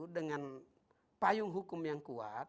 dengan payung hukum yang kuat